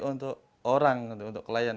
untuk orang untuk klien